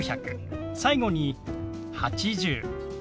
最後に「８０」。